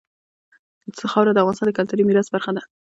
خاوره د افغانستان د کلتوري میراث برخه ده.